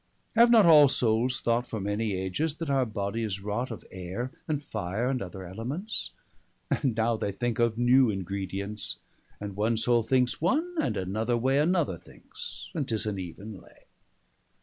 Have not all soules thought For many ages, that our body'is wrought Of Ayre, and Fire, and other Elements? 265 And now they thinke of new ingredients, And one Soule thinkes one, and another way Another thinkes, and 'tis an even lay.